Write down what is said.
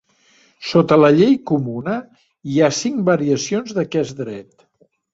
Sota la llei comuna, hi ha cinc variacions d'aquest dret.